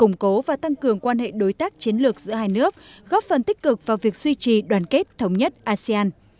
không ngừng củng cố và tăng cường quan hệ đối tác chiến lược giữa hai nước góp phần tích cực vào việc suy trì đoàn kết thống nhất asean